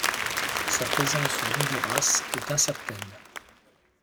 Sa présence au Honduras est incertaine.